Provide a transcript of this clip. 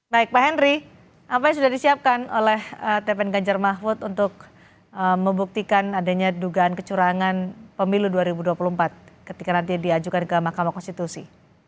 baik pak henry apa yang sudah disiapkan oleh tpn ganjar mahfud untuk membuktikan adanya dugaan kecurangan pemilu dua ribu dua puluh empat ketika nanti diajukan ke mahkamah konstitusi